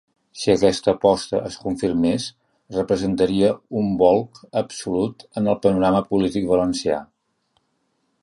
Si aquesta aposta es confirmés representaria un bolc absolut en el panorama polític valencià.